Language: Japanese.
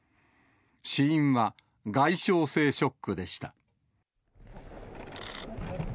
死因は外傷性ショックでした。